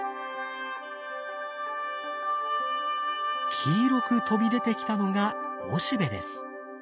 黄色く飛び出てきたのがおしべです。